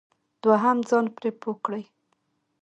دوهم ځان پرې پوه کړئ.